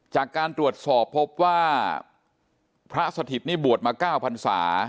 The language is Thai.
จากการตรวจสอบพบว่าพระสถิตนี่บวชมา๙พันศา